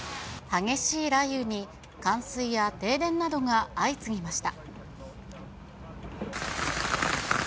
激しい雷雨に、冠水や停電などが相次ぎました。